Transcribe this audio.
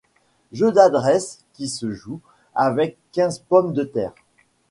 Jeu d'adresse qui se joue avec quinze pommes de terre.